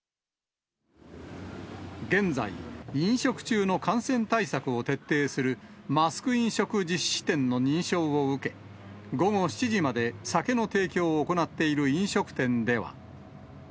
現在、飲食中の感染対策を徹底するマスク飲食実施店の認証を受け、午後７時まで酒の提供を行っている飲食店では。